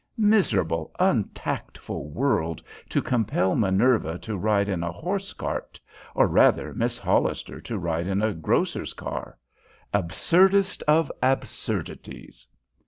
Miserable, untactful world to compel Minerva to ride in a horse cart, or rather Miss Hollister to ride in a grocer's car! Absurdest of absurdities!"